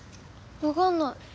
わかんない。